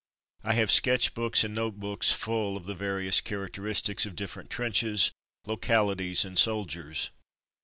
I have sketch books and note books full of the various characteristics of different trenches, localities, and soldiers.